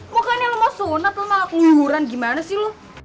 bukannya lu mau sunat lu malah keluhuran gimana sih lu